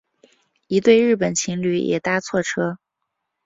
一对日本情侣也搭错车